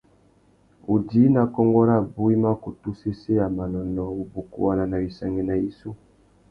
Udjï nà kônkô rabú i mà kutu sésséya manônōh, wubukuwana na wissangüena yissú.